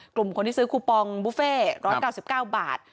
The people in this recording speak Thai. กลุ่มคนที่ซื้อคูปองบุฟเฟ่๑๙๙บาท